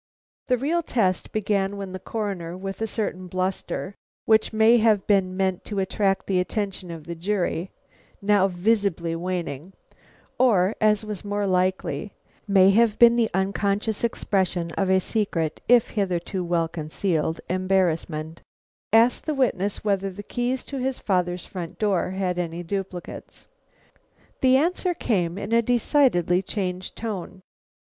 The real test began when the Coroner, with a certain bluster, which may have been meant to attract the attention of the jury, now visibly waning, or, as was more likely, may have been the unconscious expression of a secret if hitherto well concealed embarrassment, asked the witness whether the keys to his father's front door had any duplicates. The answer came in a decidedly changed tone.